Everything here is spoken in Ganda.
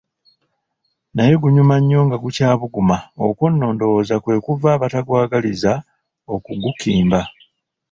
Naye gunyuma nnyo nga gukyabuguma, okwo nno ndowooza kwe kuva abatagwagaliza okugukimba.